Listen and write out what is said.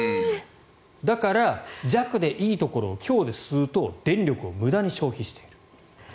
だから、「弱」でいいところを「強」で吸うと電力を無駄に消費している。